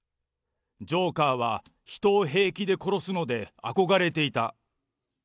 ジョーカーは、人を平気で殺すので、憧れていた。